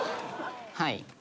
はい。